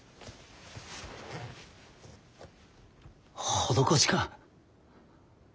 施しか？